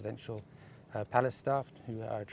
dengan staf dari kampung presiden